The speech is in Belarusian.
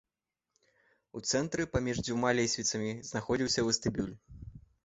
У цэнтры паміж дзвюма лесвіцамі знаходзіўся вестыбюль.